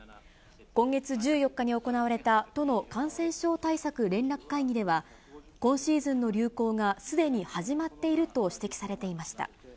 今月１４日に行われた都の感染症対策連絡会議では、今シーズンの流行がすでに始まっていると指摘されていました。